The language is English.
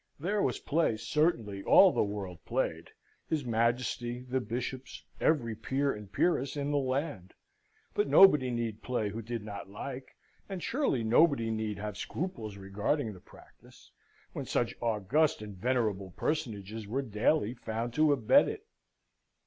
There was play, certainly all the world played his Majesty, the Bishops, every Peer and Peeress in the land. But nobody need play who did not like; and surely nobody need have scruples regarding the practice, when such august and venerable personages were daily found to abet it.